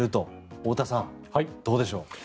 太田さん、どうでしょう。